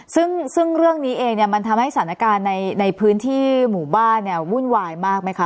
ซึ่งเรื่องนี้เองเนี่ยมันทำให้สถานการณ์ในพื้นที่หมู่บ้านเนี่ยวุ่นวายมากไหมคะ